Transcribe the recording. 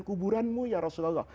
kuburan mu ya rasulullah